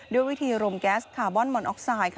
ด้วยวิธีรมแก๊สคาร์บอนมอนออกไซด์